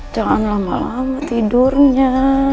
jangan lama lama tidurnya